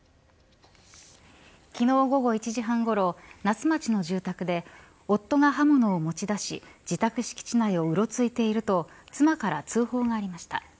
昨日午後１時半ごろ那須町の住宅で夫が刃物を持ち出し自宅敷地内をうろついていると妻から通報がありました。